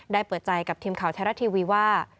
ได้เปิดใจกับทีมข่าวแทรกทีวีว่า